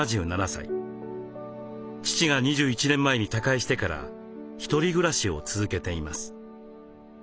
父が２１年前に他界してから一人暮らしを続けています。